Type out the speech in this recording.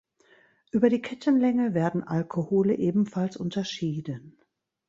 Über die Kettenlänge werden Alkohole ebenfalls unterschieden.